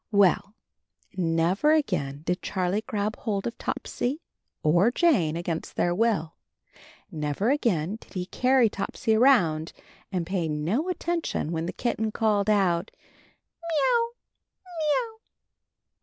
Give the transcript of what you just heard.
Well! never again did Charlie grab hold of Tjopsy or Jane against their will, never again did he carry Topsy around and pay no attention when the kitten called out, "Miaou, miaou.'